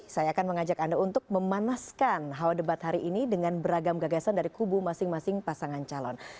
saya akan mengajak anda untuk memanaskan hawa debat hari ini dengan beragam gagasan dari kubu masing masing pasangan calon